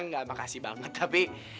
gak makasih banget tapi